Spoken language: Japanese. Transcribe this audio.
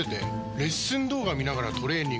レッスン動画見ながらトレーニングしたいんだけど